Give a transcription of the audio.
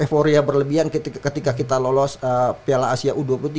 euforia berlebihan ketika kita lolos piala asia u dua puluh tiga